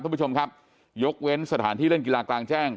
คุณผู้ชมครับยกเว้นสถานที่เล่นกีฬากลางแจ้ง